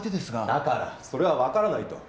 だからそれは分からないと。